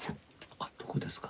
あっどこですか？